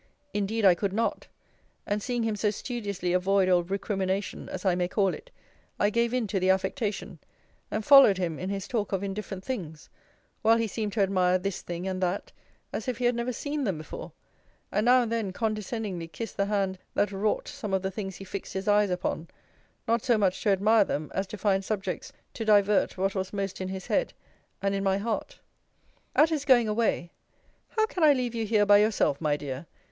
Indeed I could not; and seeing him so studiously avoid all recrimination, as I may call it, I gave into the affectation; and followed him in his talk of indifferent things: while he seemed to admire this thing and that, as if he had never seen them before; and now and then condescendingly kissed the hand that wrought some of the things he fixed his eyes upon; not so much to admire them, as to find subjects to divert what was most in his head, and in my heart. At his going away How can I leave you here by yourself, my dear?